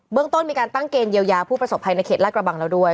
ต้นมีการตั้งเกณฑ์เยียวยาผู้ประสบภัยในเขตลาดกระบังแล้วด้วย